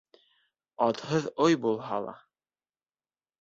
Атһыҙ ой булһа ла